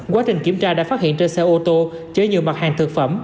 quá trình kiểm tra đã phát hiện trên xe ô tô chở nhiều mặt hàng thực phẩm